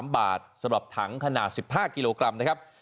๓บาทสำหรับถังขนาด๑๕กิโลกรัมนะครับ